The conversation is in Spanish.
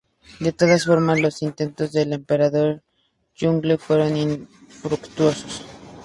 De todas formas, los intentos del emperador Yongle fueron infructuosos.